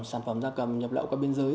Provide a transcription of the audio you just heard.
sản phẩm da cầm nhập lẫu qua biên giới